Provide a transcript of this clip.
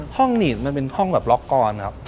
หีดมันเป็นห้องแบบล็อกกอนครับ